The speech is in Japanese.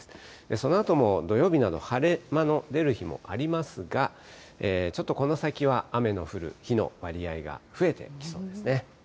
そのあとも土曜日など晴れ間の出る日もありますが、ちょっとこの先は、雨の降る日の割合が増えてきそうですね。